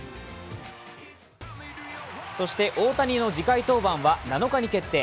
そして大谷の次回登板は７日に決定